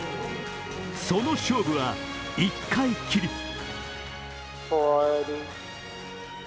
その勝負は１回きり。